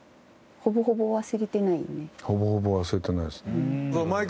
ほぼほぼ忘れてないですね。